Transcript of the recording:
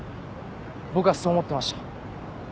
僕はそう思ってました。